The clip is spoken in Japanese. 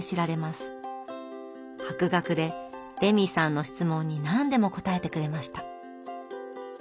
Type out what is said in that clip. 博学でレミさんの質問に何でも答えてくれました。